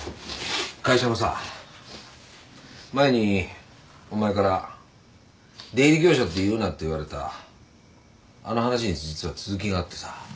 会社のさ前にお前から「出入り業者って言うな」って言われたあの話に実は続きがあってさ。